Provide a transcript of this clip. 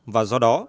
và do đó